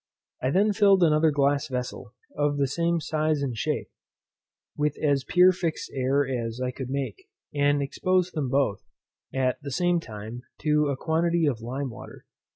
I then filled another glass vessel, of the same size and shape, with as pure fixed air as I could make, and exposed them both, at the same time, to a quantity of lime water.